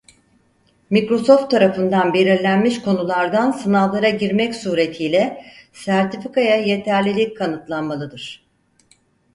Microsoft tarafından belirlenmiş konulardan sınavlara girmek suretiyle sertifikaya yeterlilik kanıtlanmalıdır.